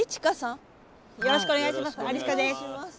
よろしくお願いします。